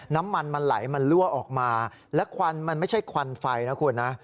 น้ำมันมันไหลมันรั่วออกมาและควันมันไม่ใช่ควันไฟนะคุณนะ